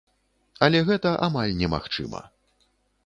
Але гэта амаль немагчыма.